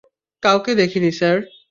কাউকে দেখিনি, স্যার।